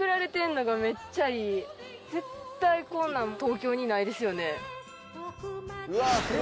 絶対こんなん東京にないですよね。